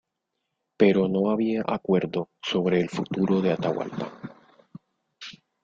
Pero no había acuerdo sobre el futuro de Atahualpa.